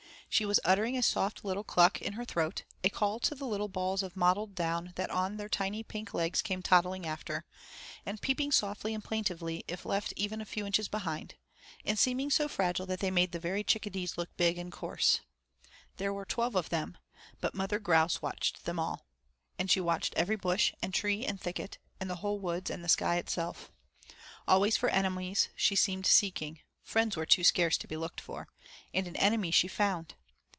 She was uttering a soft little cluck in her throat, a call to the little balls of mottled down that on their tiny pink legs came toddling after, and peeping softly and plaintively if left even a few inches behind, and seeming so fragile they made the very chickadees look big and coarse. There were twelve of them, but Mother Grouse watched them all, and she watched every bush and tree and thicket, and the whole woods and the sky itself. Always for enemies she seemed seeking friends were too scarce to be looked for and an enemy she found.